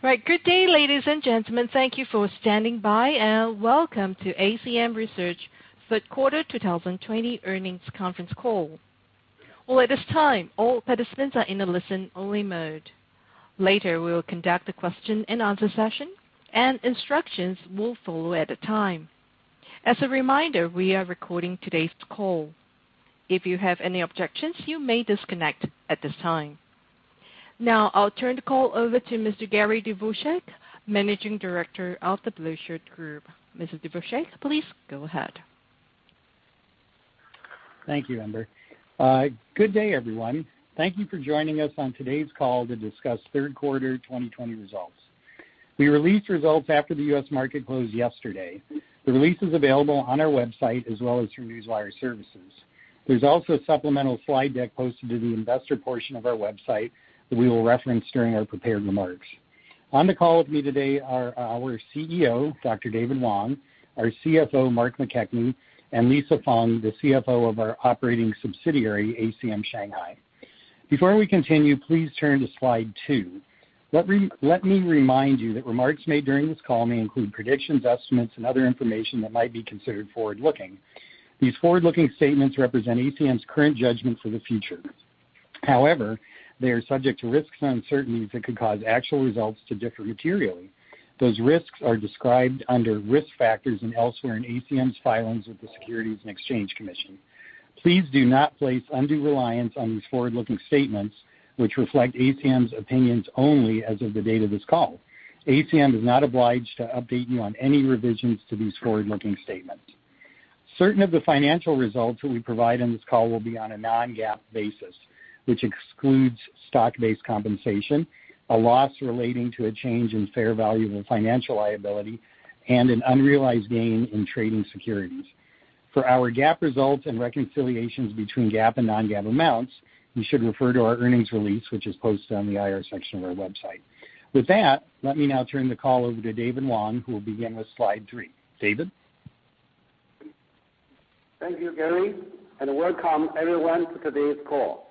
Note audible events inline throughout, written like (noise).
Right, good day ladies and gentlemen, thank you for standing by and welcome to ACM Research's Third Quarter 2020 Earnings Conference Call. At this time, all participants are in a listen-only mode. Later, we will conduct a question-and-answer session, and instructions will follow at that time. As a reminder, we are recording today's call. If you have any objections, you may disconnect at this time. Now, I'll turn the call over to Mr. Gary Dvorchak, Managing Director of The BlueShirt Group. Mr. Dvorchak, please go ahead. Thank you, Amber. Good day everyone. Thank you for joining us on today's call to discuss third quarter 2020 results. We released results after the U.S. market closed yesterday. The release is available on our website as well as through newswire services. There's also a supplemental slide deck posted to the investor portion of our website that we will reference during our prepared remarks. On the call with me today are our CEO, Dr. David Wang, our CFO, Mark McKechnie, and Lisa Fang, the CFO of our operating subsidiary, ACM Shanghai. Before we continue, please turn to slide two. Let me remind you that remarks made during this call may include predictions, estimates, and other information that might be considered forward-looking. These forward-looking statements represent ACM's current judgment for the future. However, they are subject to risks and uncertainties that could cause actual results to differ materially. Those risks are described under risk factors and elsewhere in ACM's filings with the Securities and Exchange Commission. Please do not place undue reliance on these forward-looking statements, which reflect ACM's opinions only as of the date of this call. ACM is not obliged to update you on any revisions to these forward-looking statements. Certain of the financial results that we provide in this call will be on a non-GAAP basis, which excludes stock-based compensation, a loss relating to a change in fair value of financial liability, and an unrealized gain in trading securities. For our GAAP results and reconciliations between GAAP and non-GAAP amounts, you should refer to our earnings release, which is posted on the IR section of our website. With that, let me now turn the call over to David Wang, who will begin with slide three. David? Thank you, Gary, and welcome everyone to today's call.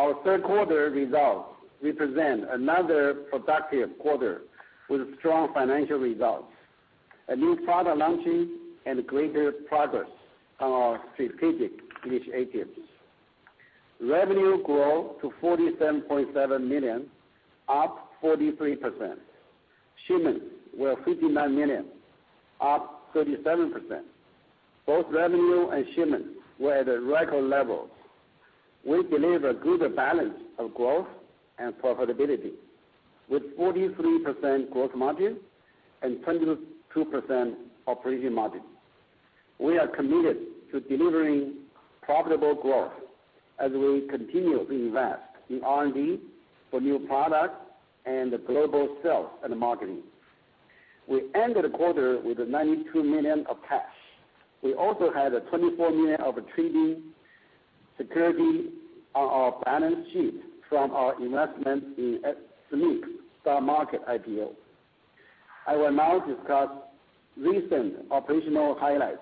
Our third quarter results represent another productive quarter with strong financial results, a new product launching, and greater progress on our strategic initiatives. Revenue grew to $47.7 million, up 43%. Shipments were $59 million, up 37%. Both revenue and shipments were at record levels. We deliver a good balance of growth and profitability, with 43% gross margin and 22% operating margin. We are committed to delivering profitable growth as we continue to invest in R&D for new products and global sales and marketing. We ended the quarter with $92 million of cash. We also had $24 million of trading security on our balance sheet from our investment in SMIC stock market IPO. I will now discuss recent operational highlights.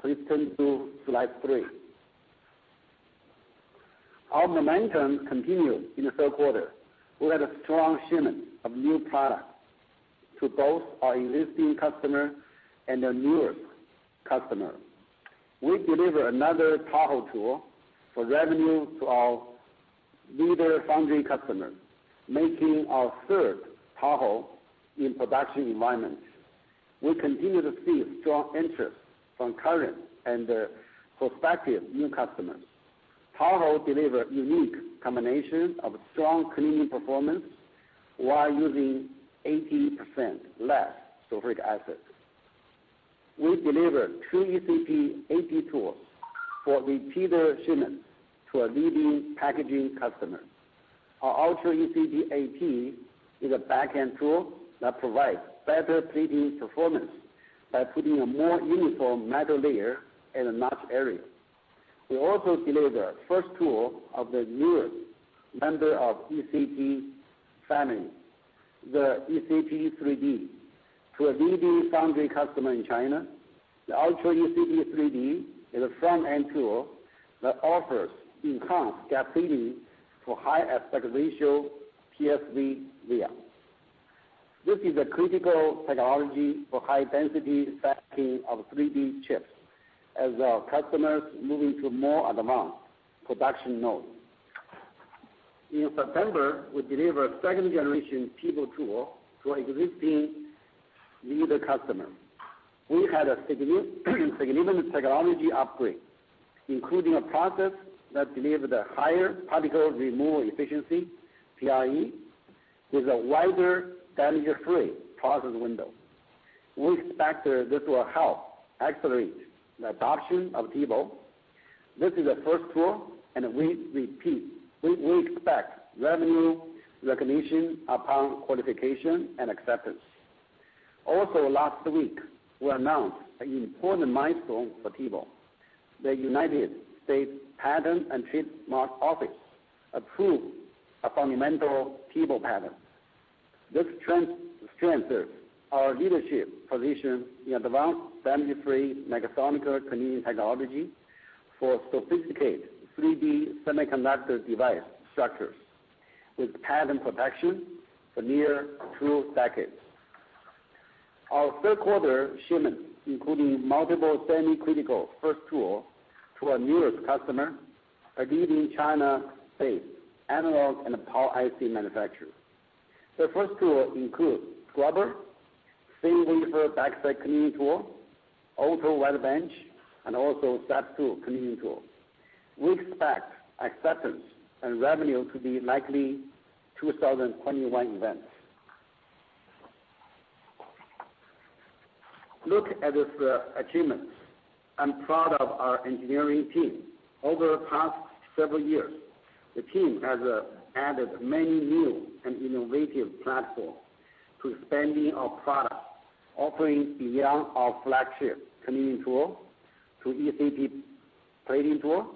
Please turn to slide three. Our momentum continued in the third quarter. We had a strong shipment of new products to both our existing customers and our newest customers. We delivered another Tahoe tool for revenue to our leader foundry customers, making our third Tahoe in production environment. We continue to see strong interest from current and prospective new customers. Tahoe delivers a unique combination of strong cleaning performance while using 80% less sulfuric acid. We delivered two ECP AP tools for repeater shipments to our leading packaging customers. Our Ultra ECP AP is a backend tool that provides better plating performance by putting a more uniform metal layer in the notch area. We also delivered the first tool of the newest member of the ECP family, the ECP 3D, to a leading foundry customer in China. The Ultra ECP 3D is a front-end tool that offers enhanced gap plating for high aspect ratio TSV layouts. This is a critical technology for high-density stacking of 3D chips as our customers move into more advanced production nodes. In September, we delivered a second-generation TEBO tool to our existing leader customers. We had a significant technology upgrade, including a process that delivered a higher particle removal efficiency, PRE, with a wider damage-free process window. We expect this will help accelerate the adoption of TEBO. This is the first tool, and we expect revenue recognition upon qualification and acceptance. Also, last week, we announced an important milestone for TEBO. The United States Patent and Trademark Office approved a fundamental TEBO patent. This strengthens our leadership position in advanced damage-free megasonic cleaning technology for sophisticated 3D semiconductor device structures with patent protection for near two decades. Our third quarter shipments, including multiple semi-critical first tools to our newest customers, are leading China-based analog and power IC manufacturers. The first tool includes Scrubber, Thin Wafer Backside Cleaning Tool, Ultra C Bench, and also SAPS II Cleaning Tool. We expect acceptance and revenue to be likely 2021 events. Look at these achievements. I'm proud of our engineering team. Over the past several years, the team has added many new and innovative platforms to expanding our products, offering beyond our flagship cleaning tool to ECP plating tool,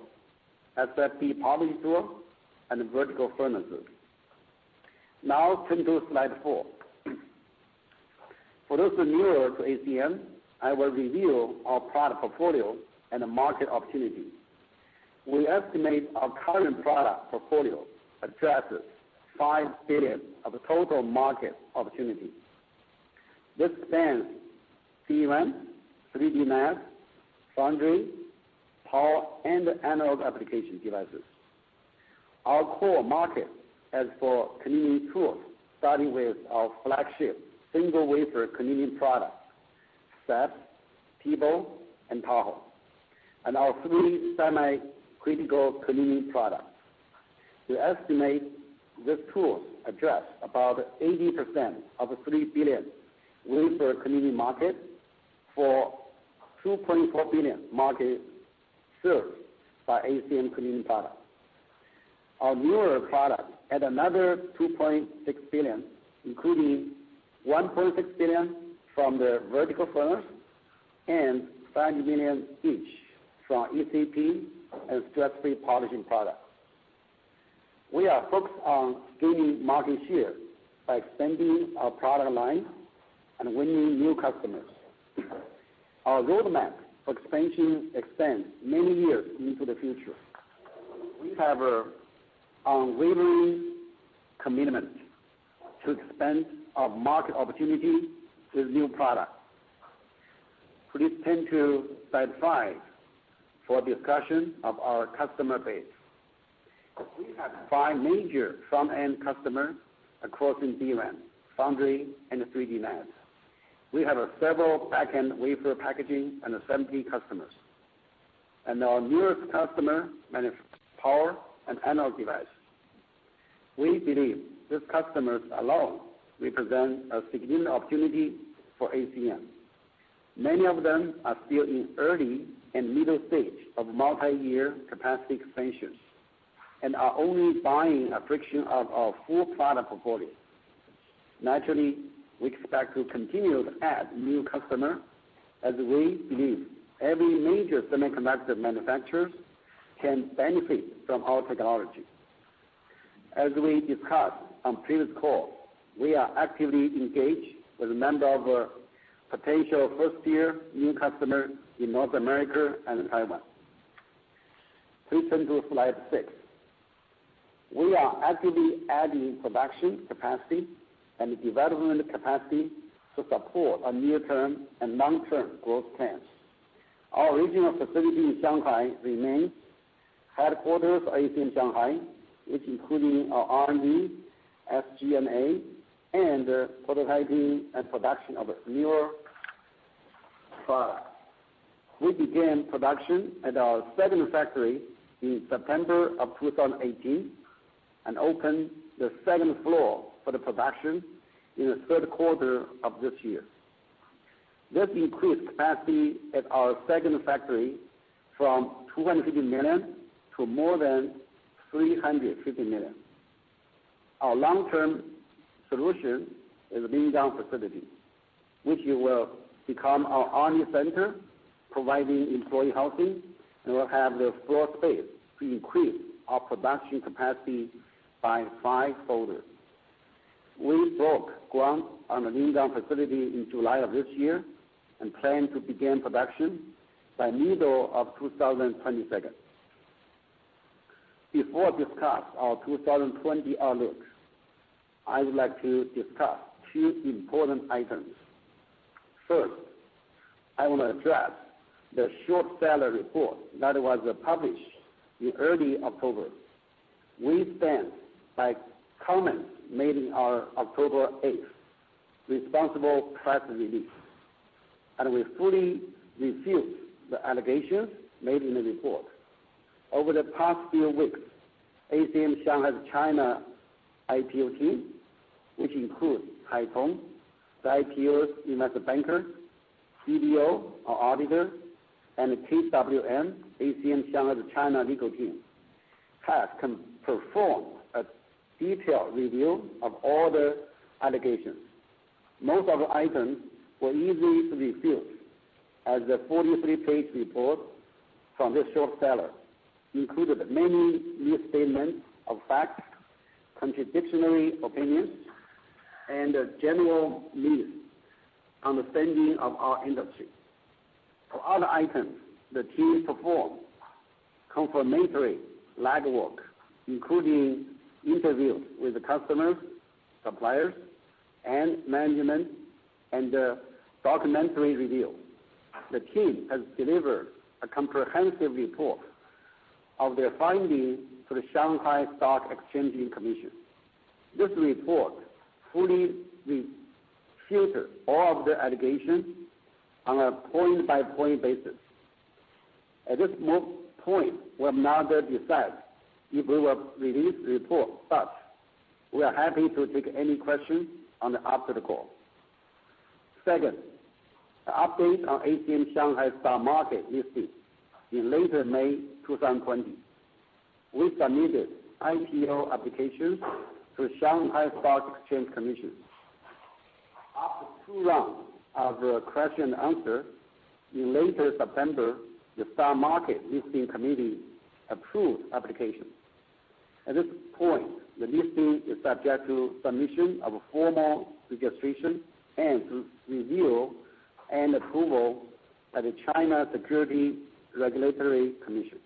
SFP polish tool, and vertical furnaces. Now, turn to slide four. For those newer to ACM, I will review our product portfolio and market opportunities. We estimate our current product portfolio addresses $5 billion of total market opportunities. This spans CIS, 3D NAND, foundry, power, and analog application devices. Our core market as for cleaning tools started with our flagship single-wafer cleaning products, SAPS, Pivot, and Tahoe, and our three semi-critical cleaning products. We estimate these tools address about 80% of the $3 billion wafer cleaning market for $2.4 billion market served by ACM cleaning products. Our newer products add another $2.6 billion, including $1.6 billion from the vertical furnaces and $5 million each from ECP and stress-free polishing products. We are focused on gaining market share by extending our product line and winning new customers. Our roadmap for expansion extends many years into the future. We have an unwavering commitment to expand our market opportunity with new products. Please turn to slide five for discussion of our customer base. We have five major front-end customers across the DRAM, foundry, and 3D NAND. We have several backend wafer packaging and assembly customers, and our newest customer manufactures power and analog devices. We believe these customers alone represent a significant opportunity for ACM. Many of them are still in early and middle stage of multi-year capacity expansions and are only buying a fraction of our full product portfolio. Naturally, we expect to continue to add new customers as we believe every major semiconductor manufacturer can benefit from our technology. As we discussed on previous calls, we are actively engaged with a number of potential first-year new customers in North America and Taiwan. Please turn to slide six. We are actively adding production capacity and development capacity to support our near-term and long-term growth plans. Our regional facility in Shanghai remains. Headquarters are in Shanghai, which includes our R&D, SG&A, and prototyping and production of newer products. We began production at our second factory in September of 2018 and opened the second floor for the production in the third quarter of this year. This increased capacity at our second factory from $250 million to more than $350 million. Our long-term solution is a Lingang facility, which will become our R&D center, providing employee housing, and will have the floor space to increase our production capacity by fivefold. We broke ground on the Lingang facility in July of this year and plan to begin production by the middle of 2022. Before I discuss our 2020 outlook, I would like to discuss two important items. First, I want to address the short seller report that was published in early October. We stand by comments made on October 8th, responsible press release, and we fully refute the allegations made in the report. Over the past few weeks, ACM Shanghai's China IPO team, which includes Haitong, the IPO's investor banker, CBO, our auditor, and the KWM ACM Shanghai's China legal team, has performed a detailed review of all the allegations. Most of the items were easily refuted, as the 43-page report from this short seller included many misstatements of facts, contradictionary opinions, and general misunderstanding of our industry. For other items, the team performed confirmatory legwork, including interviews with customers, suppliers, and management, and documentary review. The team has delivered a comprehensive report of their findings to the Shanghai Stock Exchange Listing Committee. This report fully refuted all of the allegations on a point-by-point basis. At this point, we have not decided if we will release the report, but we are happy to take any questions after the call. Second, an update on ACM Shanghai stock market listing in late May 2020. We submitted IPO applications to the Shanghai Stock Exchange. After two rounds of question and answer, in late September, the stock market listing committee approved applications. At this point, the listing is subject to submission of a formal registration and review and approval by the China Securities Regulatory Commission.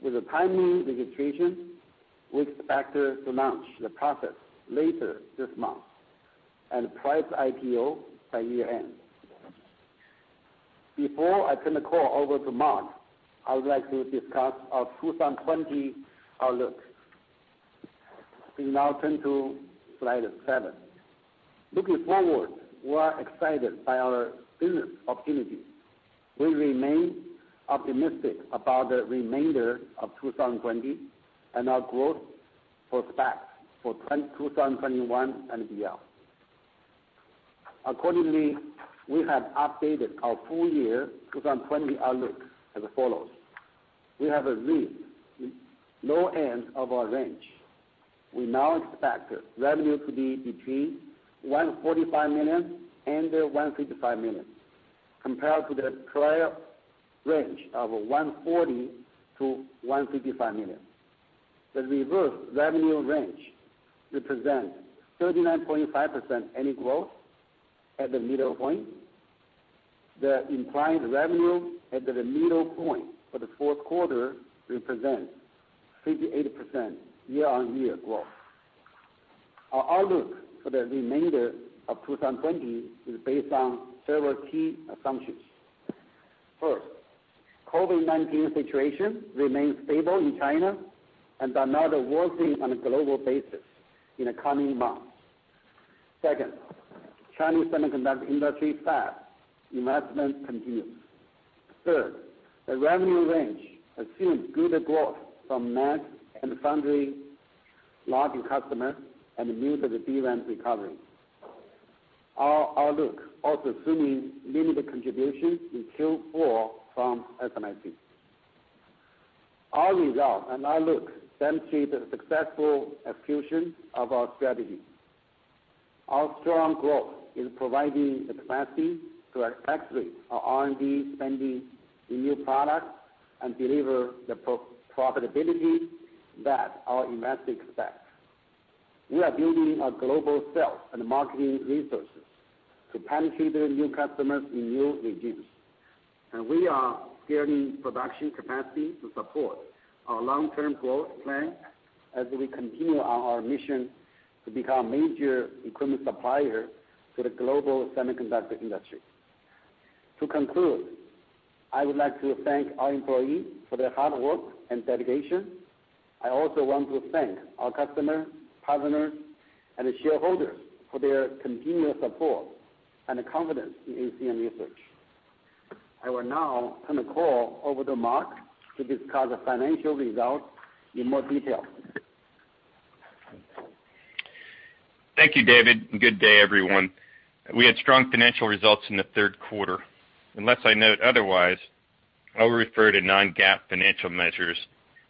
With the timely registration, we expect to launch the process later this month and price IPO by year-end. Before I turn the call over to Mark, I would like to discuss our 2020 outlook. Please now turn to slide seven. Looking forward, we are excited by our business opportunities. We remain optimistic about the remainder of 2020 and our growth prospects for 2021 and beyond. Accordingly, we have updated our full year 2020 outlook as follows. We have reached the low end of our range. We now expect revenue to be between $145 and 155 million, compared to the prior range of $140 to 155 million. The revised revenue range represents 39.5% annual growth at the midpoint. The implied revenue at the midpoint for the fourth quarter represents 58% year-on-year growth. Our outlook for the remainder of 2020 is based on several key assumptions. First, the COVID-19 situation remains stable in China and is not worsening on a global basis in the coming months. Second, the Chinese semiconductor industry's fast investment continues. Third, the revenue range assumes good growth from NAND and foundry logic customers and the news of the DRAM recovery. Our outlook also assumes limited contribution in Q4 from SMIC. Our results and outlook demonstrate the successful execution of our strategy. Our strong growth is providing the capacity to accelerate our R&D spending in new products and deliver the profitability that our investors expect. We are building our global sales and marketing resources to penetrate the new customers in new regions, and we are scaling production capacity to support our long-term growth plan as we continue our mission to become a major equipment supplier for the global semiconductor industry. To conclude, I would like to thank our employees for their hard work and dedication. I also want to thank our customers, partners, and shareholders for their continued support and confidence in ACM Research. I will now turn the call over to Mark to discuss the financial results in more detail. Thank you, David. Good day, everyone. We had strong financial results in the third quarter. Unless I note otherwise, I'll refer to non-GAAP financial measures,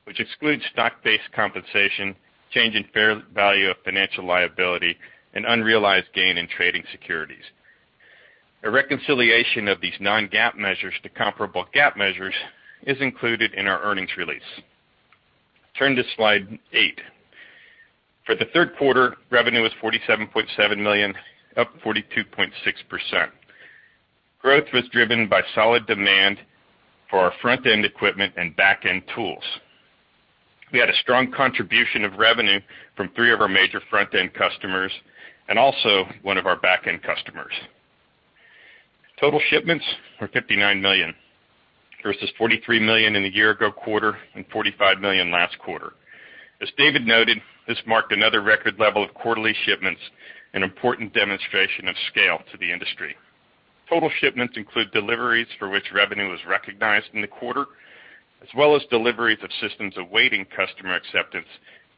which exclude stock-based compensation, change in fair value of financial liability, and unrealized gain in trading securities. A reconciliation of these non-GAAP measures to comparable GAAP measures is included in our earnings release. Turn to slide eight. For the third quarter, revenue was $47.7 million, up 42.6%. Growth was driven by solid demand for our front-end equipment and backend tools. We had a strong contribution of revenue from three of our major front-end customers and also one of our backend customers. Total shipments were $59 million versus $43 million in the year-ago quarter and $45 million last quarter. As David noted, this marked another record level of quarterly shipments, an important demonstration of scale to the industry. Total shipments include deliveries for which revenue was recognized in the quarter, as well as deliveries of systems awaiting customer acceptance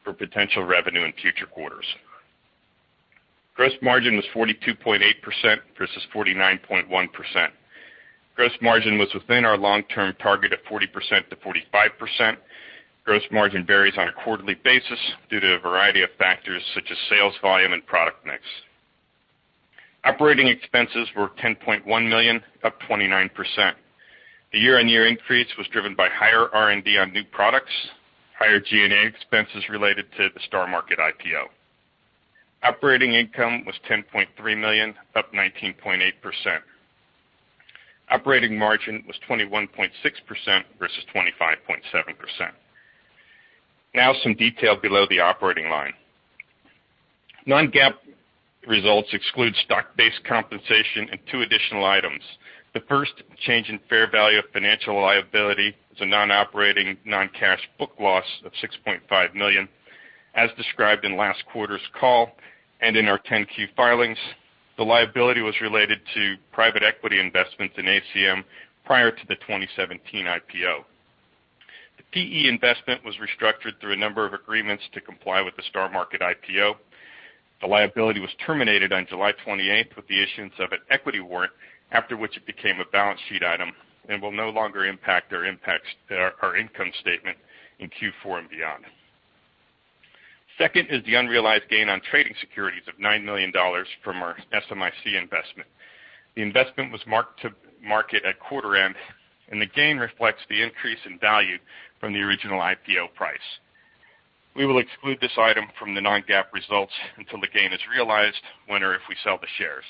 for potential revenue in future quarters. Gross margin was 42.8% versus 49.1%. Gross margin was within our long-term target of 40% to 45%. Gross margin varies on a quarterly basis due to a variety of factors such as sales volume and product mix. Operating expenses were $10.1 million, up 29%. The year-on-year increase was driven by higher R&D on new products, higher G&A expenses related to the STAR Market IPO. Operating income was $10.3 million, up 19.8%. Operating margin was 21.6% versus 25.7%. Now, some detail below the operating line. Non-GAAP results exclude stock-based compensation and two additional items. The first, change in fair value of financial liability is a non-operating, non-cash book loss of $6.5 million, as described in last quarter's call and in our 10Q filings. The liability was related to private equity investments in ACM prior to the 2017 IPO. The PE investment was restructured through a number of agreements to comply with the Star Market IPO. The liability was terminated on July 28th with the issuance of an equity warrant, after which it became a balance sheet item and will no longer impact our income statement in Q4 and beyond. Second is the unrealized gain on trading securities of $9 million from our SMIC investment. The investment was marked to market at quarter end, and the gain reflects the increase in value from the original IPO price. We will exclude this item from the non-GAAP results until the gain is realized, when or if we sell the shares.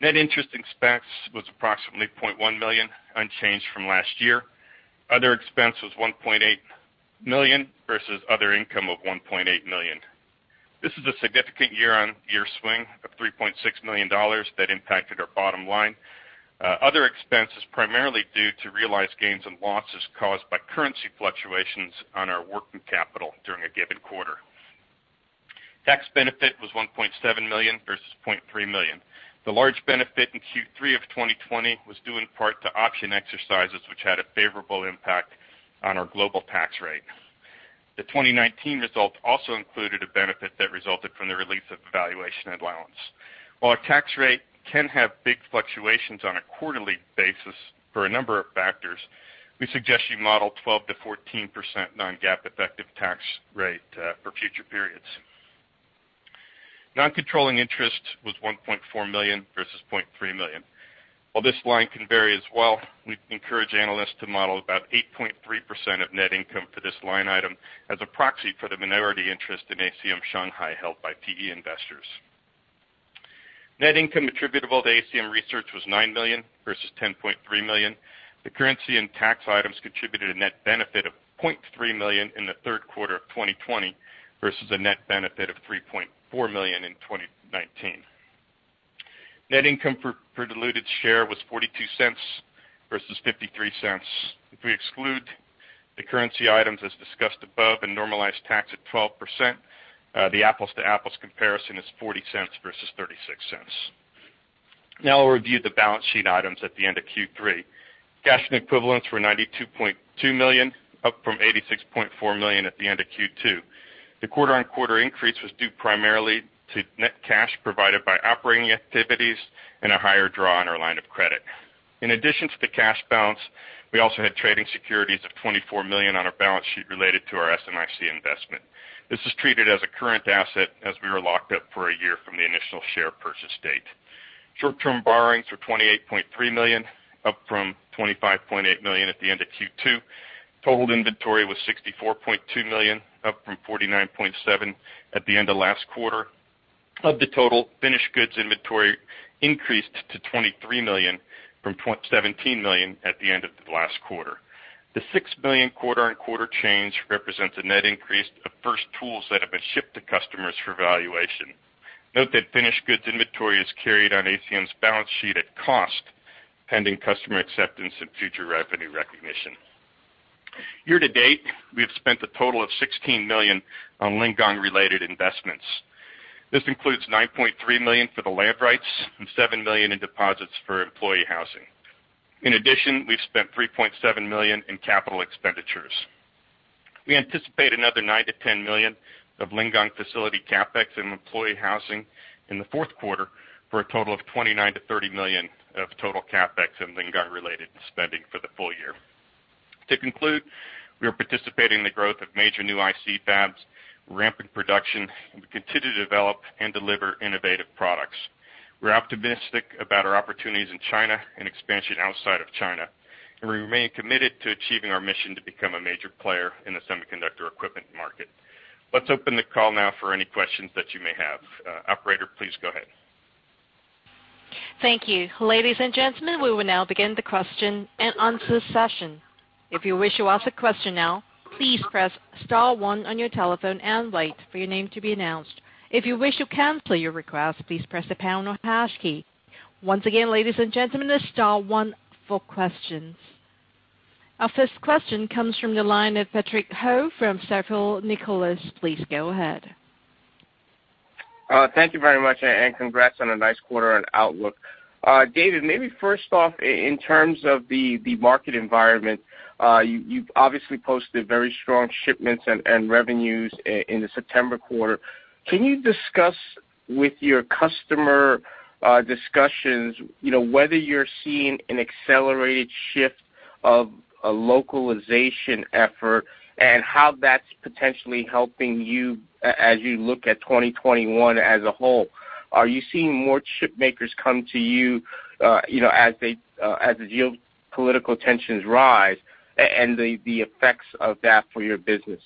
Net interest expense was approximately $0.1 million, unchanged from last year. Other expense was $1.8 million versus other income of $1.8 million. This is a significant year-on-year swing of $3.6 million that impacted our bottom line. Other expense is primarily due to realized gains and losses caused by currency fluctuations on our working capital during a given quarter. Tax benefit was $1.7 million versus $0.3 million. The large benefit in Q3 of 2020 was due in part to option exercises, which had a favorable impact on our global tax rate. The 2019 result also included a benefit that resulted from the release of valuation allowance. While a tax rate can have big fluctuations on a quarterly basis for a number of factors, we suggest you model 12% to 14% non-GAAP effective tax rate for future periods. Non-controlling interest was $1.4 million versus $0.3 million. While this line can vary as well, we encourage analysts to model about 8.3% of net income for this line item as a proxy for the minority interest in ACM Shanghai held by PE investors. Net income attributable to ACM Research was $9 million versus $10.3 million. The currency and tax items contributed a net benefit of $0.3 million in the third quarter of 2020 versus a net benefit of $3.4 million in 2019. Net income for diluted share was $0.42 versus $0.53. If we exclude the currency items as discussed above and normalize tax at 12%, the apples-to-apples comparison is $0.40 versus $0.36. Now, I'll review the balance sheet items at the end of Q3. Cash and equivalents were $92.2 million, up from $86.4 million at the end of Q2. The quarter-on-quarter increase was due primarily to net cash provided by operating activities and a higher draw on our line of credit. In addition to the cash balance, we also had trading securities of $24 million on our balance sheet related to our SMIC investment. This is treated as a current asset as we were locked up for a year from the initial share purchase date. Short-term borrowings were $28.3 million, up from $25.8 million at the end of Q2. Total inventory was $64.2 million, up from $49.7 million at the end of last quarter. Of the total, finished goods inventory increased to $23 million from $17 million at the end of the last quarter. The $6 million quarter-on-quarter change represents a net increase of first tools that have been shipped to customers for valuation. Note that finished goods inventory is carried on ACM's balance sheet at cost, pending customer acceptance and future revenue recognition. Year-to-date, we have spent a total of $16 million on Lingang-related investments. This includes $9.3 million for the land rights and $7 million in deposits for employee housing. In addition, we've spent $3.7 million in capital expenditures. We anticipate another $9 to 10 million of Lingang facility CapEx and employee housing in the fourth quarter for a total of $29 to 30 million of total CapEx and Lingang-related spending for the full year. To conclude, we are participating in the growth of major new IC fabs, ramping production, and we continue to develop and deliver innovative products. We're optimistic about our opportunities in China and expansion outside of China, and we remain committed to achieving our mission to become a major player in the semiconductor equipment market. Let's open the call now for any questions that you may have. Operator, please go ahead. Thank you. Ladies and gentlemen, we will now begin the question and answer session. If you wish to ask a question now, please press star one on your telephone and wait for your name to be announced. If you wish to cancel your request, please press the pound or hash key. Once again, ladies and gentlemen, it's star one for questions. Our first question comes from the line of Patrick Ho from Stifel Nicolaus. Please go ahead. Thank you very much, and congrats on a nice quarter-end outlook. David, maybe first off, in terms of the market environment, you've obviously posted very strong shipments and revenues in the September quarter. Can you discuss with your customer discussions whether you're seeing an accelerated shift of a localization effort and how that's potentially helping you as you look at 2021 as a whole? Are you seeing more chipmakers come to you as the geopolitical tensions rise and the effects of that for your business?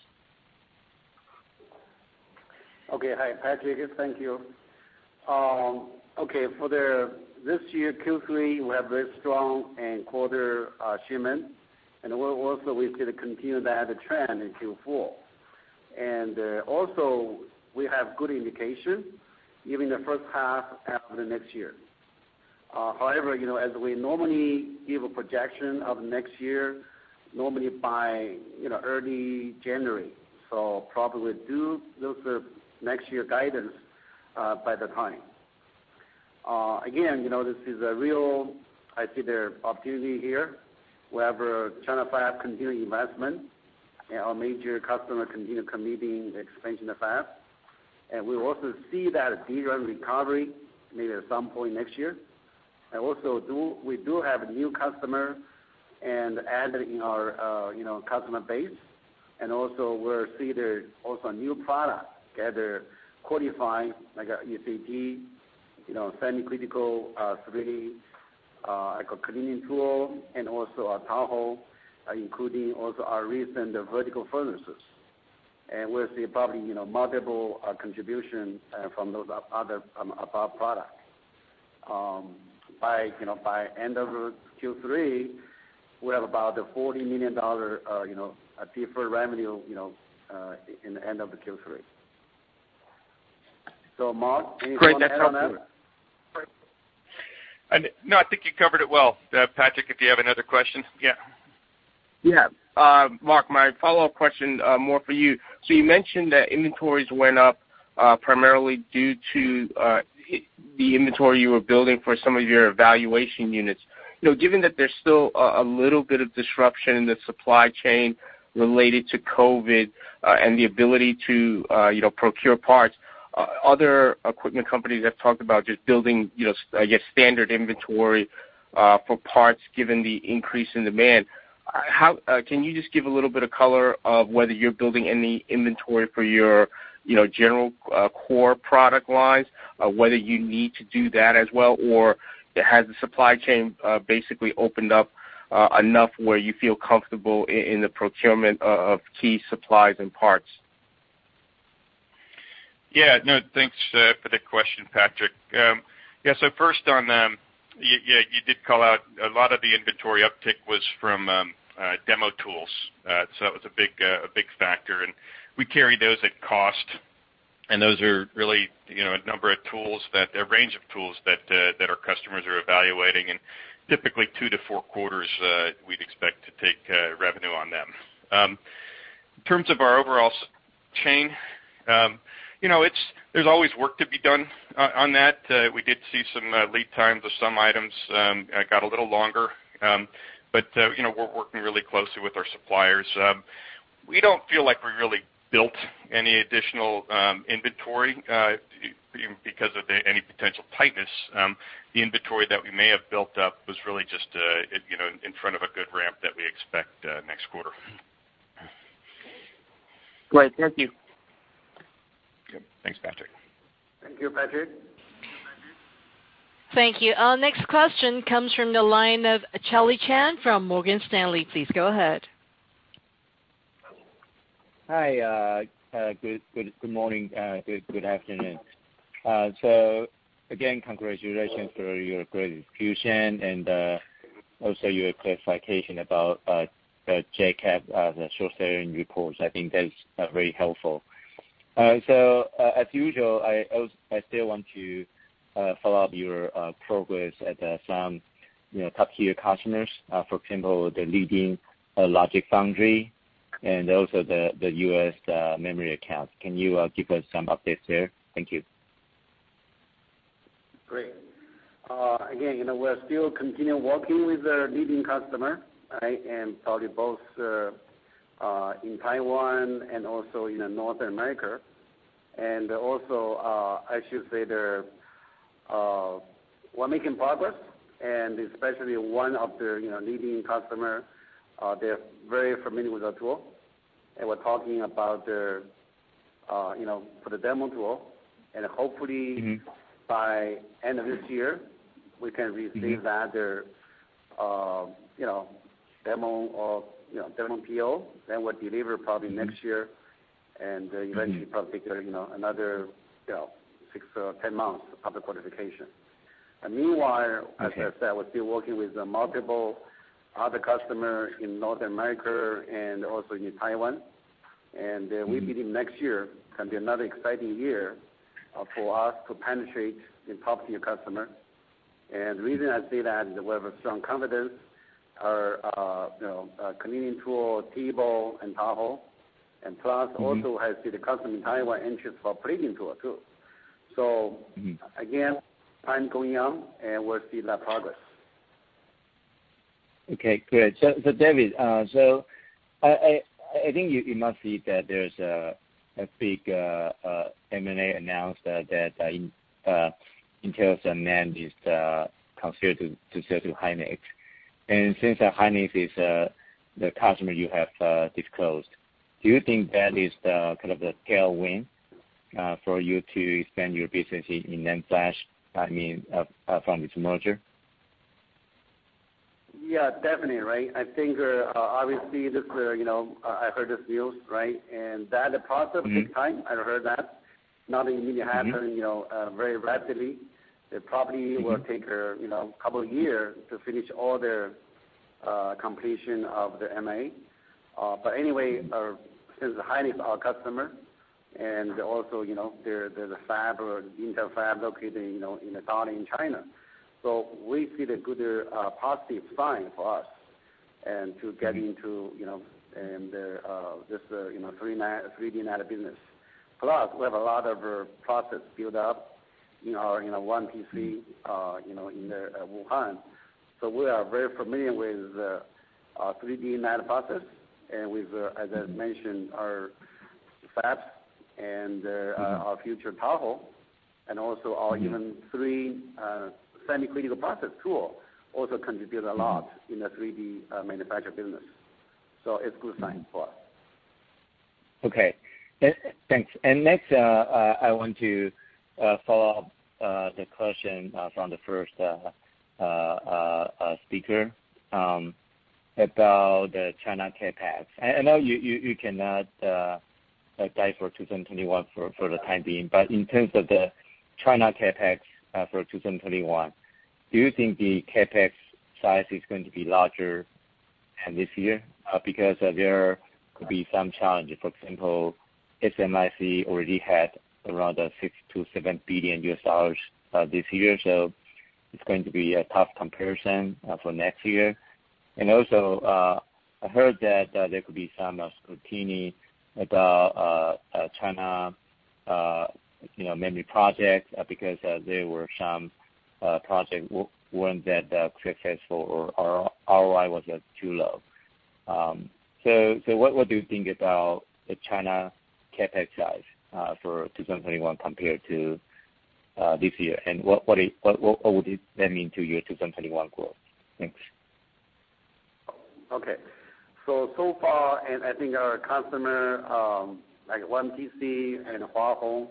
Okay. Hi, I'm David. Thank you. Okay. For this year, Q3, we have very strong quarter shipments, and we're also going to continue that trend in Q4. We also have good indication given the first half of the next year. However, as we normally give a projection of next year, normally by early January. Probably we'll do the next year guidance by that time. Again, this is real, I see the opportunity here. We have China Fab continuing investment, and our major customer continues committing expansion to Fab. We also see that DRAM recovery maybe at some point next year. We do have new customers added in our customer base. We see there is also a new product together: Qualify, like ECP, semi-critical 3D cleaning tool, and also a Tahoe, including also our recent vertical furnaces. We will see probably multiple contributions from those other above products. By end of Q3, we have about a $40 million deferred revenue in the end of the Q3. Mark, any thoughts on that? No, I think you covered it well. Patrick, if you have another question. Yeah. Yeah. Mark, my follow-up question more for you. You mentioned that inventories went up primarily due to the inventory you were building for some of your evaluation units. Given that there's still a little bit of disruption in the supply chain related to COVID and the ability to procure parts, other equipment companies have talked about just building, I guess, standard inventory for parts given the increase in demand. Can you just give a little bit of color of whether you're building any inventory for your general core product lines, whether you need to do that as well, or has the supply chain basically opened up enough where you feel comfortable in the procurement of key supplies and parts? Yeah. No, thanks for the question, Patrick. Yeah. First on them, yeah, you did call out a lot of the inventory uptick was from demo tools. That was a big factor. We carry those at cost, and those are really a number of tools that a range of tools that our customers are evaluating. Typically, two to four quarters, we'd expect to take revenue on them. In terms of our overall chain, there's always work to be done on that. We did see some lead times of some items got a little longer, but we're working really closely with our suppliers. We don't feel like we really built any additional inventory because of any potential tightness. The inventory that we may have built up was really just in front of a good ramp that we expect next quarter. Great. Thank you. Thanks, Patrick. Thank you, Patrick. Thank you. Our next question comes from the line of Charlie Chan from Morgan Stanley. Please go ahead. Hi. Good morning. Good afternoon. Again, congratulations for your great execution and also your clarification about the J Capital, the short-selling reports. I think that's very helpful. As usual, I still want to follow up your progress at some top-tier customers, for example, the leading logic foundry and also the US memory accounts. Can you give us some updates there? Thank you. Great. Again, we're still continuing working with our leading customer, right, and probably both in Taiwan and also in North America. I should say we're making progress, and especially one of their leading customers, they're very familiar with our tool. We're talking about their for the demo tool. Hopefully, by end of this year, we can receive that demo PO, then we'll deliver probably next year and eventually probably take another 6 or 10 months of public qualification. Meanwhile, as I said, we're still working with multiple other customers in North America and also in Taiwan. We believe next year can be another exciting year for us to penetrate in top-tier customers. The reason I say that is we have a strong confidence in our Canadian tool, TEBO, and Tahoe. Plus, also I see the customer in Taiwan interest for a plating tool too. Time going on, and we'll see that progress. Okay. Good. David, I think you must see that there's a big M&A announced that Intel's demand is considered to sell to Hynix. Since Hynix is the customer you have disclosed, do you think that is kind of a tailwind for you to expand your business in NAND Flash, I mean, from this merger? Yeah, definitely, right? I think obviously I heard this news, right? The process takes time. I heard that. Not in, (inaudible) very rapidly. It probably will take a couple of years to finish all their completion of the M&A. Anyway, since Hynix is our customer and also there is a Fab or Intel Fab located in Taiwan and China, we see the good positive sign for us to get into their 3D NAND business. Plus, we have a lot of process built up in our YMTC in Wuhan. We are very familiar with 3D NAND process and with, as I mentioned, our Fabs and our future Tahoe and also our even three semi-critical process tools also contribute a lot in the 3D manufacturing business. It is a good sign for us. Okay. Thanks. Next, I want to follow up the question from the first speaker about the China CapEx. I know you cannot dive for 2021 for the time being, but in terms of the China CapEx for 2021, do you think the CapEx size is going to be larger this year? Because there could be some challenges. For example, SMIC already had around $6 to 7 billion this year. It is going to be a tough comparison for next year. I heard that there could be some scrutiny about China memory projects because there were some projects that were successful or ROI was too low. What do you think about the China CapEx size for 2021 compared to this year? What would that mean to your 2021 growth? Thanks. So far, I think our customer like YMTC and Hua Hong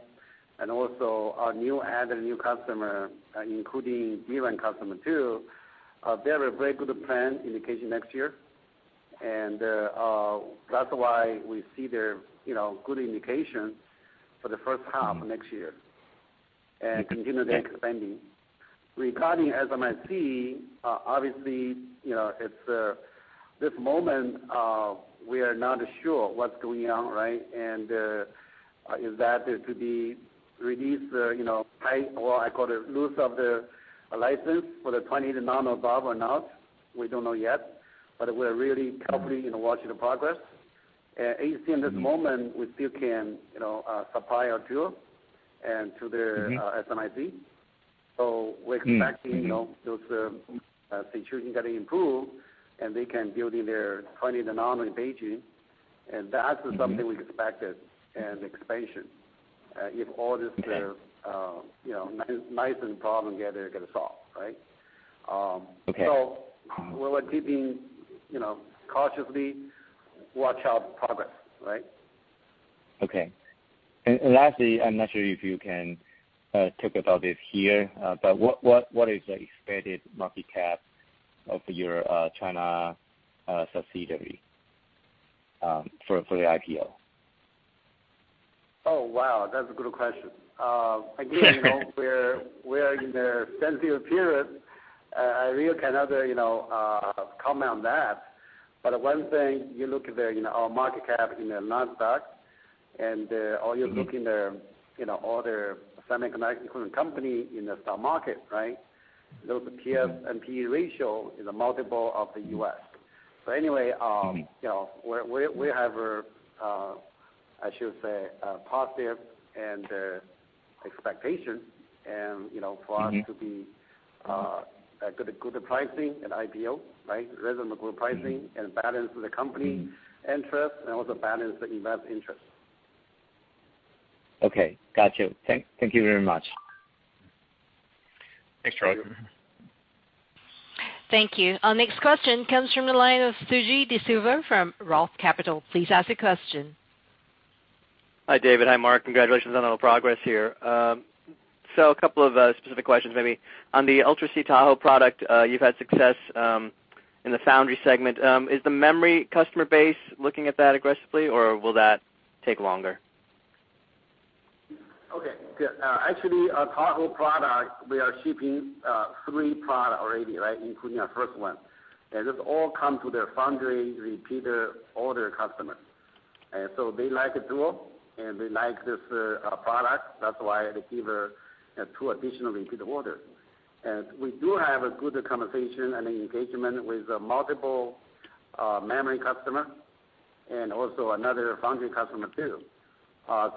and also our new added new customer, including DRAM customer too, they have a very good plan indication next year. That is why we see their good indication for the first half of next year and continue their expanding. Regarding SMIC, obviously, at this moment, we are not sure what is going on, right? Is that to be released or, I call it, loss of the license for the 20 nanometer or not? We do not know yet, but we are really carefully watching the progress. At least in this moment, we still can supply our tool to SMIC. We are expecting those situations getting improved and they can build in their. (inaudible) That is something we expected and expansion if all this license problem gets solved, right? We are keeping cautiously watch out progress, right? Okay. Lastly, I am not sure if you can talk about this here, but what is the expected market cap of your China subsidiary for the IPO? Oh, wow. That's a good question. Again, we're in the sensitive period. I really cannot comment on that. One thing, you look at our market cap in the Nasdaq and you look in all the semiconductor companies in the stock market, right? Those PS and PE ratio is a multiple of the US. Anyway, we have, I should say, positive and expectation for us to be a good pricing and IPO, right? Raise a good pricing and balance the company interest and also balance the investor interest. Okay. Gotcha. Thank you very much. Thanks, Charlie. Thank you. Our next question comes from the line of Suji DeSilva from Roth Capital. Please ask the question. Hi, David. Hi, Mark. Congratulations on all the progress here. A couple of specific questions, maybe. On the Ultra C Tahoe product, you've had success in the foundry segment. Is the memory customer base looking at that aggressively, or will that take longer? Okay. Actually, our Tahoe product, we are shipping three products already, right, including our first one. This all comes to their foundry repeater order customers. They like the tool and they like this product. That is why they give two additional repeater orders. We do have a good conversation and engagement with multiple memory customers and also another foundry customer too.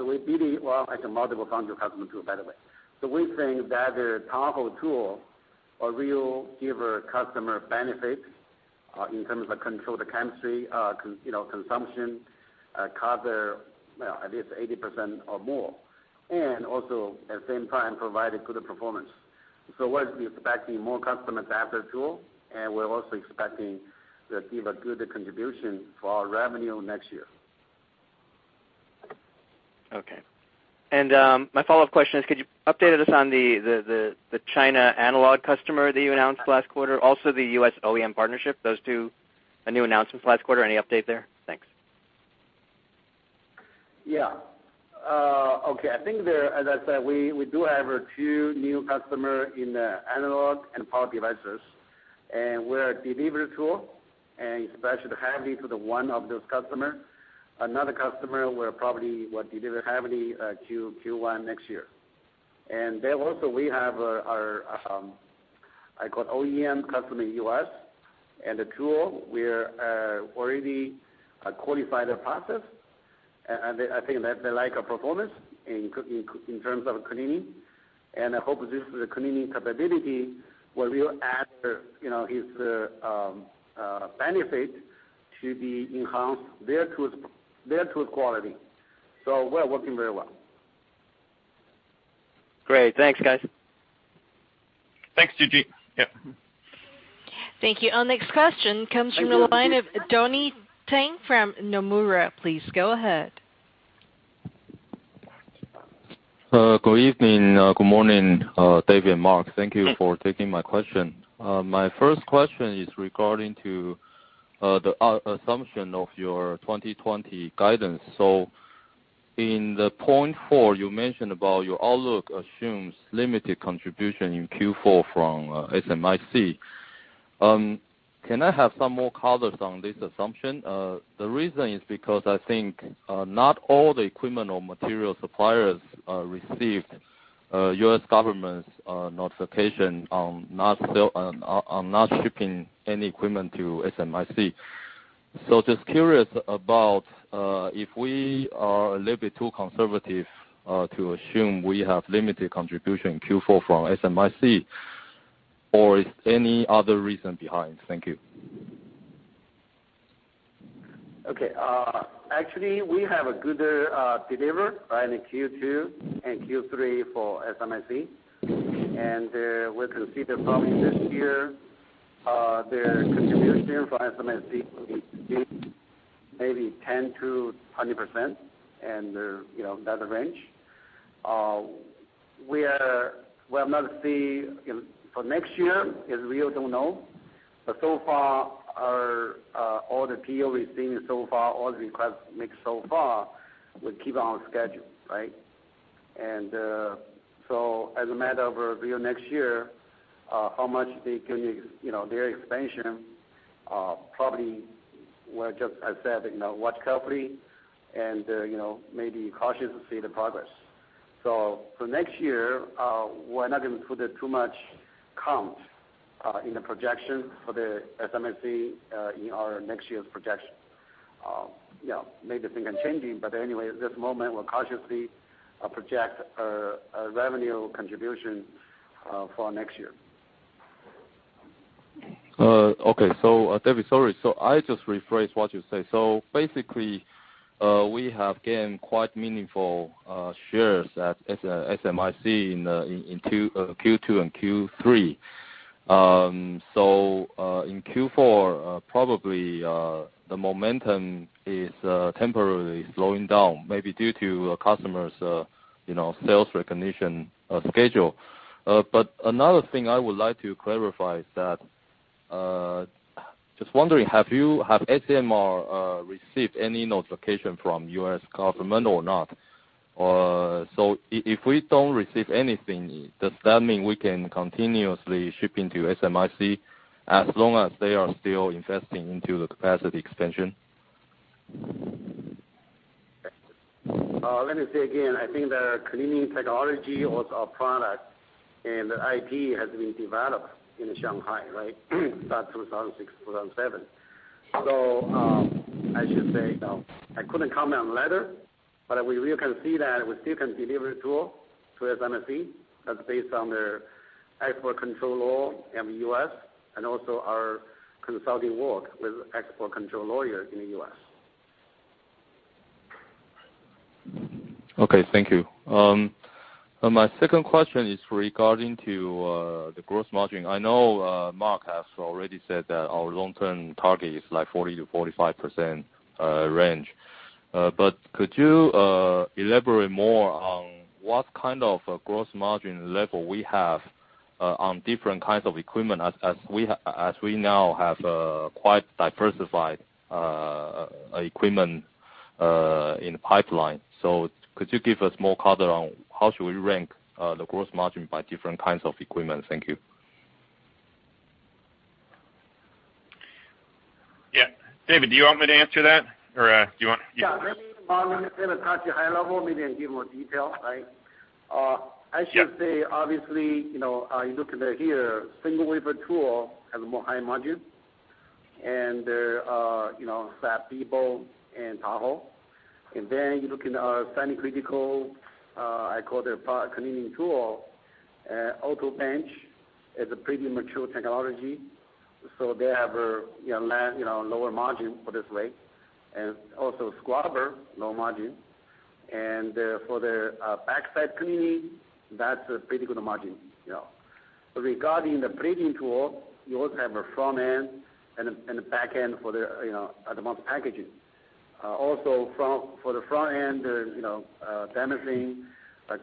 We really, I said multiple foundry customers too, by the way. We think that the Tahoe tool will really give our customer benefit in terms of control the chemistry consumption, cover at least 80% or more, and also at the same time provide a good performance. We are expecting more customers after the tool, and we are also expecting to give a good contribution for our revenue next year. Okay. My follow-up question is, could you update us on the China analog customer that you announced last quarter, also the US OEM partnership? Those two are new announcements last quarter. Any update there? Thanks. Yeah. Okay. I think, as I said, we do have two new customers in analog and power devices. We're delivering tool and especially the heavy to one of those customers. Another customer, we probably will deliver heavily Q1 next year. Also, we have our, I call it OEM customer US and the tool. We're already qualified the process. I think they like our performance in terms of cleaning. I hope this cleaning capability will really add his benefit to enhance their tools' quality. We're working very well. Great. Thanks, guys. Thanks, Suji. Yep. Thank you. Our next question comes from the line of Donnie Teng from Nomura. Please go ahead. Good evening. Good morning, David and Mark. Thank you for taking my question. My first question is regarding to the assumption of your 2020 guidance. In the point four, you mentioned about your outlook assumes limited contribution in Q4 from SMIC. Can I have some more colors on this assumption? The reason is because I think not all the equipment or material suppliers received U.S. government's notification on not shipping any equipment to SMIC. Just curious about if we are a little bit too conservative to assume we have limited contribution in Q4 from SMIC, or is there any other reason behind? Thank you. Actually, we have a good delivery in Q2 and Q3 for SMIC. And we'll consider probably this year their contribution for SMIC will be maybe 10% to 20% in that range. We will not see for next year because we do not know. So far, all the PO we have seen so far, all the requests made so far, we will keep on schedule, right? As a matter of next year, how much they can do their expansion, probably we will just, as I said, watch carefully and maybe cautiously see the progress. For next year, we are not going to put too much count in the projection for SMIC in our next year's projection. Maybe things are changing, but anyway, at this moment, we will cautiously project our revenue contribution for next year. Okay. David, sorry. I just rephrased what you said. Basically, we have gained quite meaningful shares at SMIC in Q2 and Q3. In Q4, probably the momentum is temporarily slowing down maybe due to customers' sales recognition schedule. Another thing I would like to clarify is that just wondering, have SMIC received any notification from U.S. government or not? If we do not receive anything, does that mean we can continuously ship into SMIC as long as they are still investing into the capacity expansion? Let me say again, I think the cleaning technology was our product and the IP has been developed in Shanghai, right? Started 2006, 2007. I should say I could not comment on the letter, but we really can see that we still can deliver tool to SMIC. That is based on their export control law in the U.S. and also our consulting work with export control lawyers in the U.S. Okay. Thank you. My second question is regarding to the gross margin. I know Mark has already said that our long-term target is like 40% to 45% range. Could you elaborate more on what kind of gross margin level we have on different kinds of equipment as we now have quite diversified equipment in the pipeline? Could you give us more color on how should we rank the gross margin by different kinds of equipment? Thank you. Yeah. David, do you want me to answer that, or do you want? Yeah. Let me kind of touch a high level, maybe give more detail, right? I should say, obviously, you look at here, single wafer tool has a more high margin and Tahoe. You look in semi-critical, I call it cleaning tool, Auto Bench is a pretty mature technology. They have a lower margin for this way. Also, Scrubber, low margin. For the backside cleaning, that's a pretty good margin. Regarding the plating tool, you also have a front end and a back end for the packaging. Also for the front end, damaging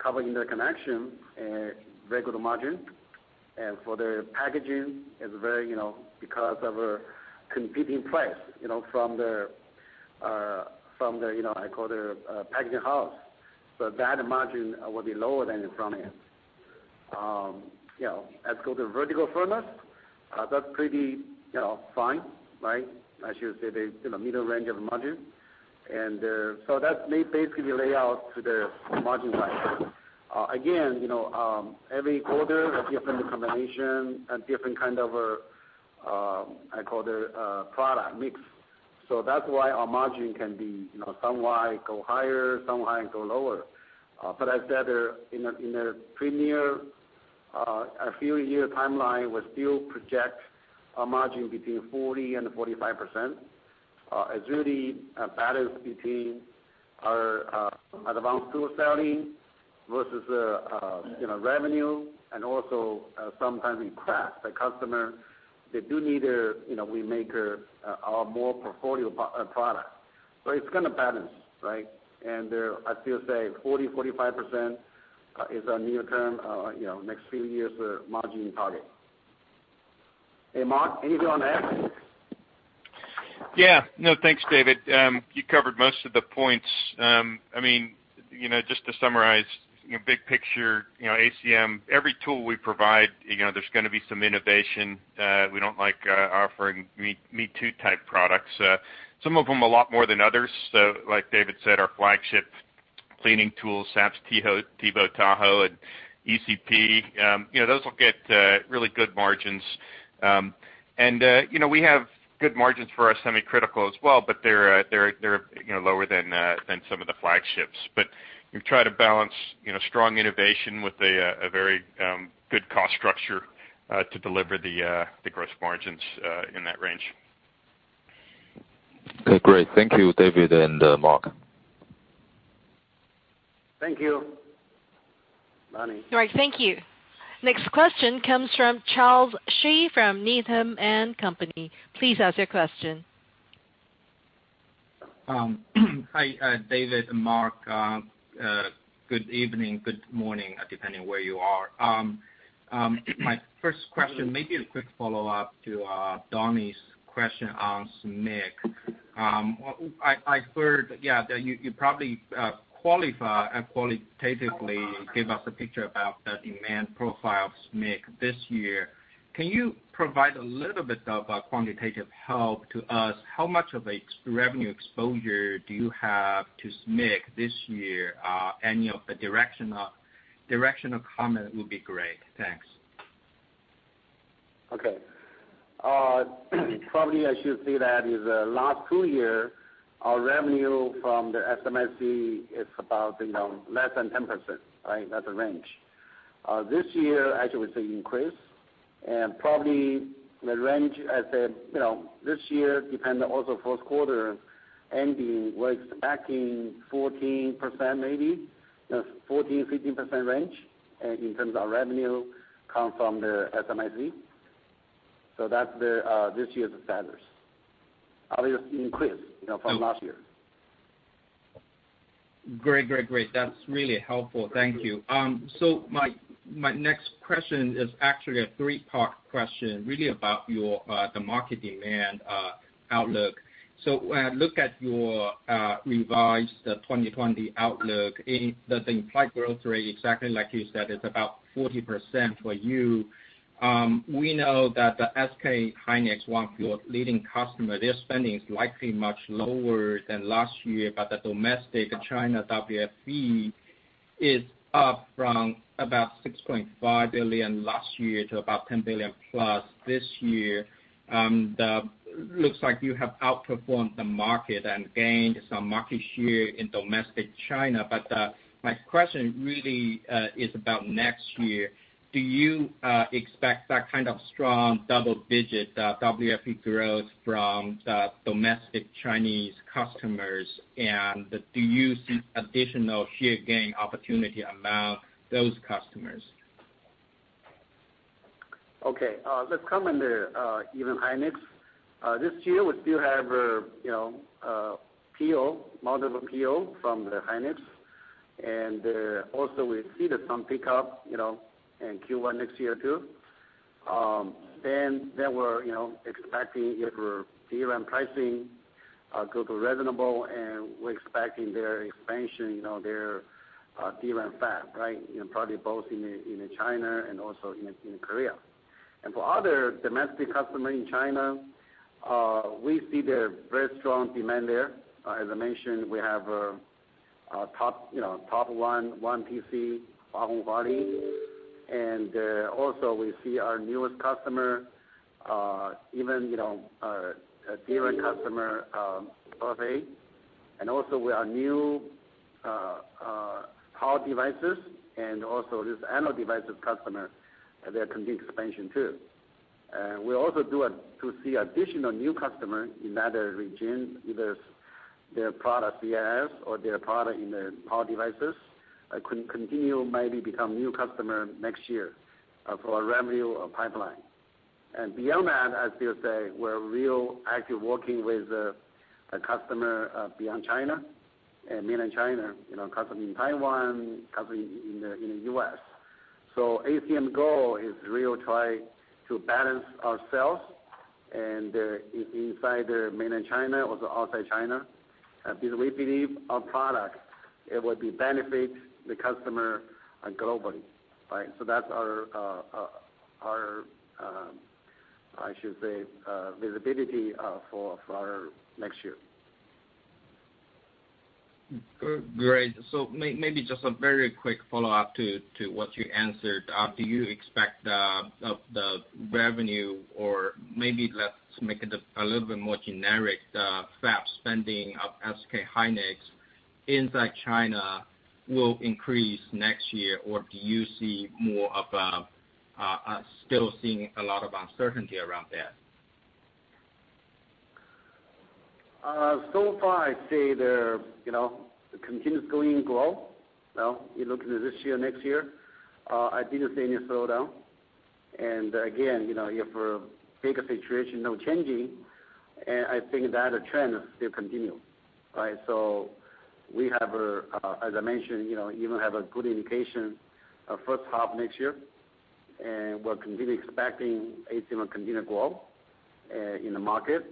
covering the connection, very good margin. For the packaging, it's very because of a competing price from the, I call it packaging house. That margin will be lower than the front end. As for the vertical furnace, that's pretty fine, right? I should say the middle range of margin. That's basically the layout to the margin side. Again, every quarter, a different combination and different kind of, I call it product mix. That's why our margin can be some high, go higher, some high, go lower. I said in the premier, a few year timeline, we still project our margin between 40% and 45%. It's really a balance between our advanced tool selling versus revenue and also sometimes requests that customers, they do need to remake our more portfolio product. It's going to balance, right? I still say 40% to 45% is our near-term, next few years' margin target. Hey, Mark, anything on that? Yeah. No, thanks, David. You covered most of the points. I mean, just to summarize, big picture, ACM, every tool we provide, there's going to be some innovation. We don't like offering me-too type products. Some of them a lot more than others. Like David said, our flagship cleaning tools, SAPS, TVO, Tahoe, and ECP, those will get really good margins. We have good margins for our semi-critical as well, but they're lower than some of the flagships. But we try to balance strong innovation with a very good cost structure to deliver the gross margins in that range. Okay. Great. Thank you, David and Mark. Thank you. Donnie. All right. Thank you. Next question comes from Charles Shi from Needham & Company. Please ask your question. Hi, David and Mark. Good evening, good morning, depending where you are. My first question, maybe a quick follow-up to Donnie's question on SMIC. I heard, yeah, that you probably qualitatively give us a picture about the demand profile of SMIC this year. Can you provide a little bit of quantitative help to us? How much of a revenue exposure do you have to SMIC this year? Any of the directional comment would be great. Thanks. Okay. Probably I should say that in the last two years, our revenue from the SMIC is about less than 10%, right? That's the range. This year, I should say increase. And probably the range, I say this year, depending also first quarter ending, we're expecting 14% maybe, 14% to 15% range in terms of revenue come from SMIC. So that's this year's status. Obviously, increase from last year. Great, great, great. That's really helpful. Thank you. So my next question is actually a three-part question, really about the market demand outlook. So when I look at your revised 2020 outlook, the implied growth rate, exactly like you said, is about 40% for you. We know that the SK Hynix Wuxi leading customer, their spending is likely much lower than last year, but the domestic China WFE is up from about $6.5 billion last year to about $10 billion plus this year. Looks like you have outperformed the market and gained some market share in domestic China. My question really is about next year. Do you expect that kind of strong double-digit WFE growth from domestic Chinese customers, and do you see additional share gain opportunity among those customers? Okay. Let's comment even Hynix. This year, we still have PO, multiple PO from Hynix. Also, we see that some pickup in Q1 next year too. We are expecting if DRAM pricing goes to reasonable, and we are expecting their expansion, their DRAM fab, right? Probably both in China and also in Korea. For other domestic customers in China, we see their very strong demand there. As I mentioned, we have top one PC, Hua Hong Huali. Also, we see our newest customer, even a DRAM customer, Hefei. Also, with our new power devices and also this analog devices customer, they are continuing expansion too. We also do see additional new customers in that region, either their product CIS or their product in the power devices, continue maybe become new customers next year for a revenue pipeline. Beyond that, I still say we're real active working with a customer beyond China and mainland China, customers in Taiwan, customers in the U.S. ACM's goal is real to try to balance ourselves inside mainland China or outside China. We believe our product, it will benefit the customer globally, right? That's our, I should say, visibility for our next year. Great. Maybe just a very quick follow-up to what you answered. Do you expect the revenue or maybe let's make it a little bit more generic. FAB spending of SK Hynix inside China will increase next year, or do you see more of a still seeing a lot of uncertainty around that? I'd say the continuous going growth. You look into this year, next year, I didn't see any slowdown. Again, if the bigger situation, no changing, I think that trend will continue, right? We have, as I mentioned, even have a good indication of first half next year. We're continually expecting ACM to continue to grow in the market.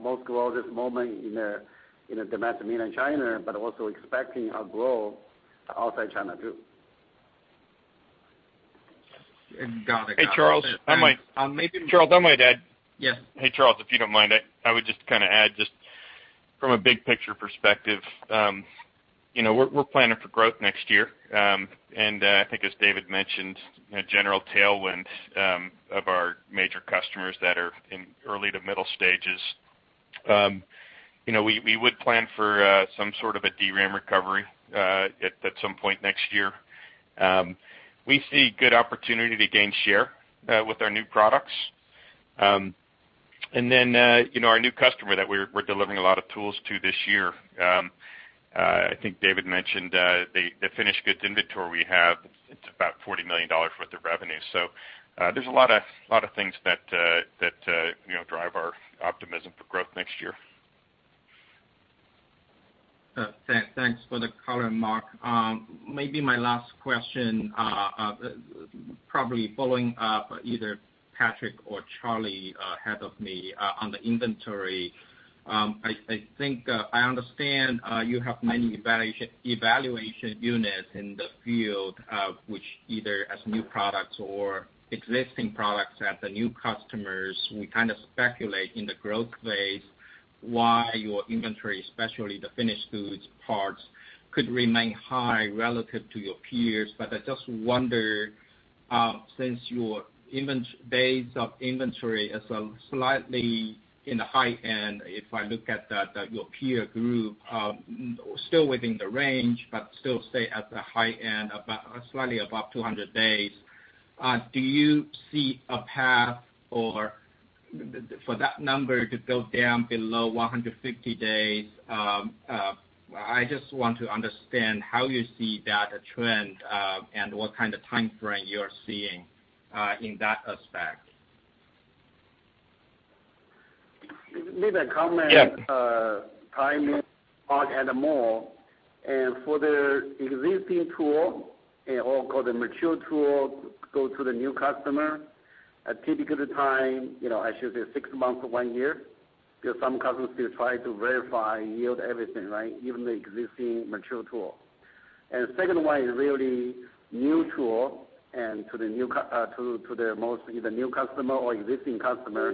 Most growth at this moment in the domestic mainland China, but also expecting our growth outside China too. Hey, Charles. I might. Maybe Charles. I might add. Yes. Hey, Charles, if you don't mind, I would just kind of add just from a big picture perspective, we're planning for growth next year. I think, as David mentioned, general tailwinds of our major customers that are in early to middle stages. We would plan for some sort of a DRAM recovery at some point next year. We see good opportunity to gain share with our new products. Our new customer that we're delivering a lot of tools to this year, I think David mentioned, the finished goods inventory we have, it's about $40 million worth of revenue. There are a lot of things that drive our optimism for growth next year. Thanks for the color, Mark. Maybe my last question, probably following up either Patrick or Charlie ahead of me on the inventory. I think I understand you have many evaluation units in the field, which either as new products or existing products at the new customers. We kind of speculate in the growth phase why your inventory, especially the finished goods parts, could remain high relative to your peers. I just wonder, since your base of inventory is slightly in the high end, if I look at your peer group, still within the range, but still stay at the high end, slightly above 200 days, do you see a path for that number to go down below 150 days? I just want to understand how you see that trend and what kind of time frame you are seeing in that aspect. Maybe a comment. Yeah. Timing more and more. For the existing tool, or call it mature tool, go to the new customer, a typical time, I should say six months to one year, because some customers still try to verify yield everything, right? Even the existing mature tool. Second one is really new tool and to the most either new customer or existing customer.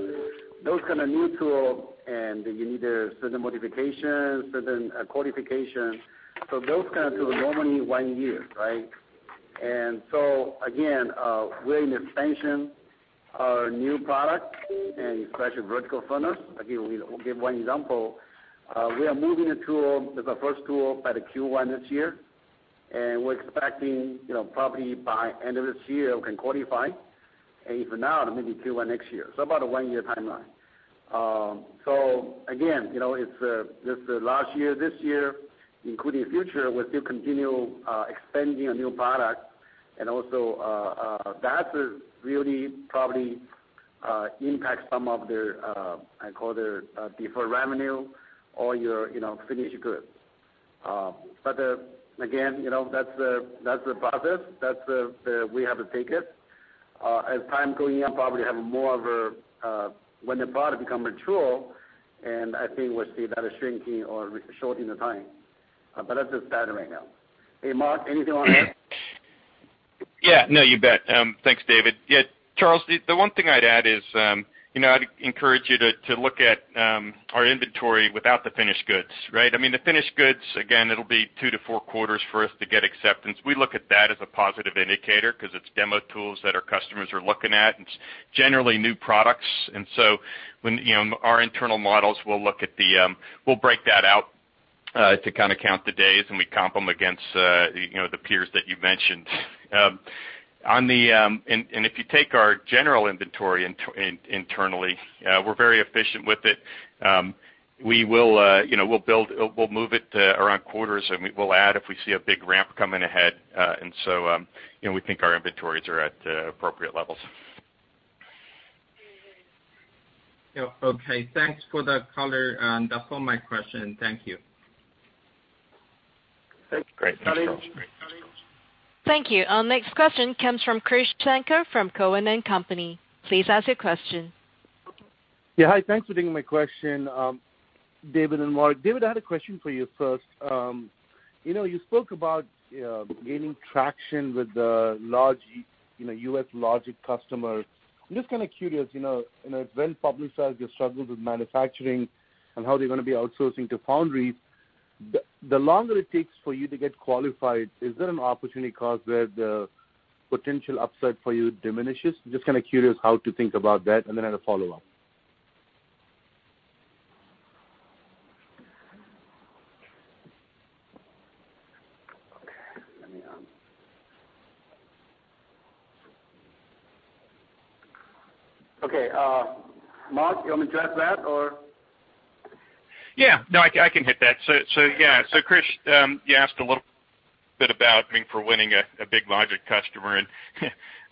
Those kind of new tools, and you need certain modifications, certain qualifications. Those kind of tools normally one year, right? Again, we're in expansion of our new products, and especially vertical furnace. Again, I'll give one example. We are moving the first tool by the Q1 this year. We're expecting probably by end of this year, we can qualify. If not, maybe Q1 next year. About a one-year timeline. Last year, this year, including future, we're still continuing expanding a new product. Also, that really probably impacts some of their, I call it deferred revenue or your finished goods. Again, that's the process. That's the way we have to take it. As time going up, probably have more of a when the product becomes mature, and I think we'll see that a shrinking or shortening of time. That's the status right now. Hey, Mark, anything on that? Yeah. No, you bet. Thanks, David. Yeah. Charles, the one thing I'd add is I'd encourage you to look at our inventory without the finished goods, right? I mean, the finished goods, again, it'll be two to four quarters for us to get acceptance. We look at that as a positive indicator because it's demo tools that our customers are looking at. It's generally new products. I mean, our internal models, we'll look at the—we'll break that out to kind of count the days, and we comp them against the peers that you mentioned. If you take our general inventory internally, we're very efficient with it. We will build, we'll move it around quarters, and we'll add if we see a big ramp coming ahead. We think our inventories are at appropriate levels. Okay. Thanks for the color. That's all my question. Thank you. Thank you. Thank you. Our next question comes from Chris Chanco from Cohen & Company. Please ask your question. Yeah. Hi. Thanks for taking my question, David and Mark. David, I had a question for you first. You spoke about gaining traction with the large US logic customers. I'm just kind of curious. When publicize your struggles with manufacturing and how they're going to be outsourcing to foundries, the longer it takes for you to get qualified, is there an opportunity cost where the potential upside for you diminishes? Just kind of curious how to think about that. And then I'll follow up. Okay. Let me ask. Mark, you want me to address that or? Yeah. No, I can hit that. Yeah. Chris, you asked a little bit about, I mean, for winning a big logic customer.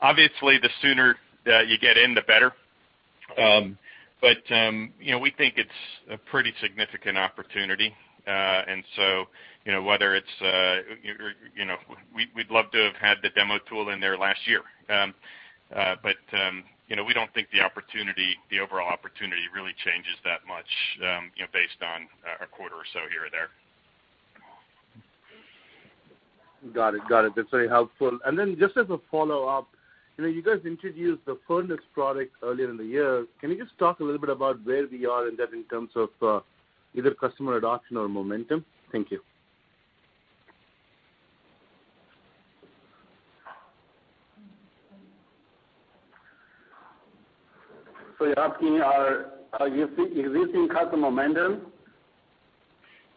Obviously, the sooner you get in, the better. We think it's a pretty significant opportunity. Whether it's we'd love to have had the demo tool in there last year, we don't think the overall opportunity really changes that much based on a quarter or so here or there. Got it. Got it. That's very helpful. Just as a follow-up, you guys introduced the furnace product earlier in the year. Can you just talk a little bit about where we are in that in terms of either customer adoption or momentum? Thank you. You're asking our existing customer momentum?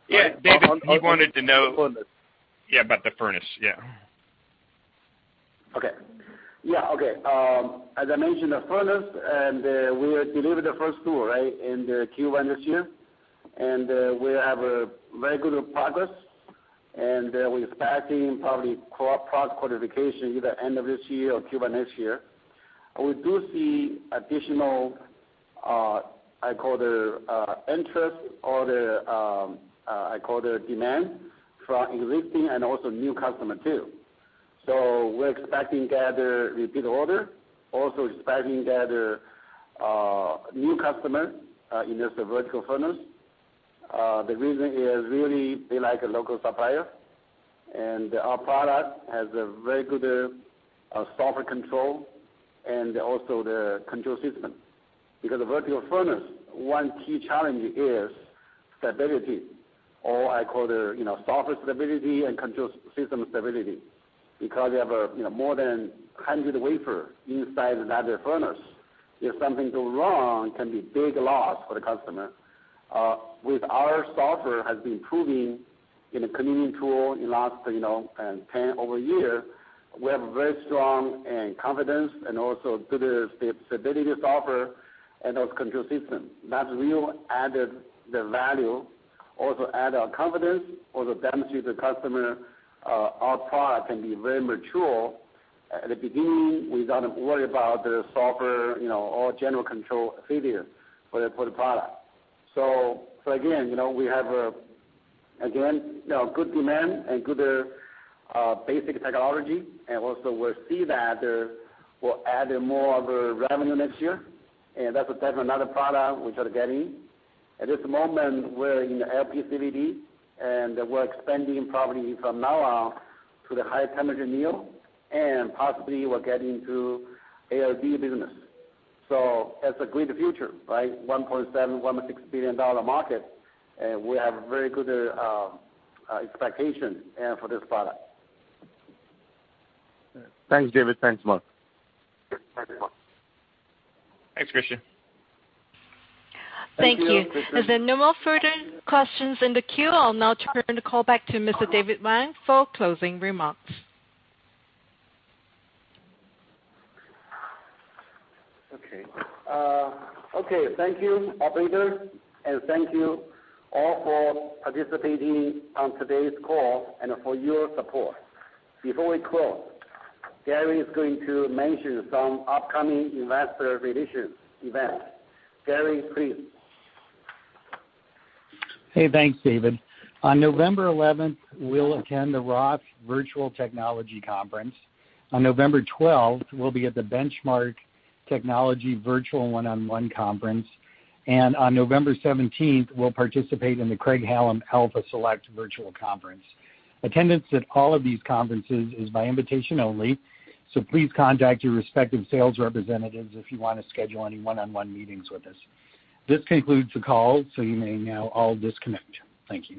Yeah. David, he wanted to know. Yeah, about the furnace. Yeah. Okay. Yeah. Okay. As I mentioned, the furnace, and we delivered the first tool, right, in Q1 this year. We have very good progress. We are expecting probably product qualification either end of this year or Q1 next year. We do see additional, I call it interest or I call it demand from existing and also new customers too. We are expecting to get a repeat order. Also expecting to get a new customer in this vertical furnace. The reason is really they like a local supplier. Our product has a very good software control and also the control system. Because the vertical furnace, one key challenge is stability, or I call it software stability and control system stability. Because you have more than 100 wafers inside that furnace. If something goes wrong, it can be a big loss for the customer. With our software has been improving in the cleaning tool in the last 10 over a year, we have a very strong confidence and also good stability software and those control systems. That has real added the value, also added our confidence, also demonstrate to the customer our product can be very mature at the beginning without worrying about the software or general control failure for the product. We have again good demand and good basic technology. We will see that we will add more of a revenue next year. That is definitely another product we try to get in. At this moment, we are in the LPCVD, and we are expanding probably from now on to the high temperature anneal. Possibly we are getting to ALD business. That is a great future, right? $1.7 to 1.6 billion market. We have very good expectations for this product. Thanks, David. Thanks, Mark. Thanks, Chris. Thank you. If there are no more further questions in the queue, I'll now turn the call back to Mr. David Wang for closing remarks. Okay. Okay. Thank you, operators. And thank you all for participating on today's call and for your support. Before we close, Gary is going to mention some upcoming investor relations events. Gary, please. Hey, thanks, David. On November 11th, we'll attend the Roth Virtual Technology Conference. On November 12th, we'll be at the Benchmark Technology Virtual One-on-One Conference. On November 17th, we'll participate in the Craig-Hallum Alpha Select Virtual Conference. Attendance at all of these conferences is by invitation only. Please contact your respective sales representatives if you want to schedule any one-on-one meetings with us. This concludes the call, so you may now all disconnect. Thank you.